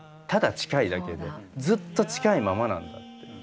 ただ近いだけでずっと近いままなんだって。